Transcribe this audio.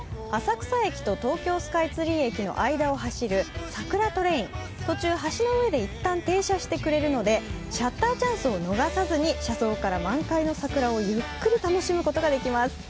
浅草駅と東京スカイツリー駅の間を走るサクラトレイン、途中の橋の上で一旦停車してくれるのでシャッターチャンスを逃さずに車窓から満開の桜を楽しむことができます。